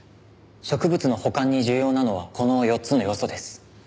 植物の保管に重要なのはこの４つの要素です。